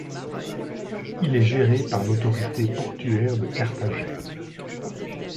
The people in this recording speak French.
Il est géré par l'autorité portuaire de Carthagène.